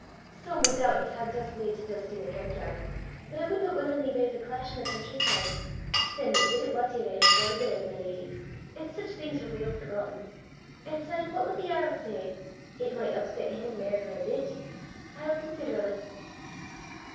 "Some wud doobtless hae dist laid to dist i' the kirkyard; but I wudna wullin'ly raise a clash i' the country side. Them that did it was yer ain forbeirs, my leddy; an' sic things are weel forgotten. An' syne what wud the earl say? It micht upset him mair nor a bit! I'll consider o' 't."